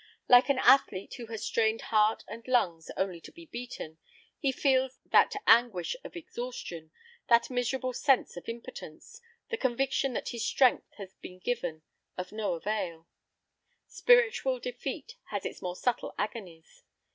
Like an athlete who has strained heart and lungs only to be beaten, he feels that anguish of exhaustion, that miserable sense of impotence, the conviction that his strength has been of no avail. Spiritual defeat has its more subtle agonies.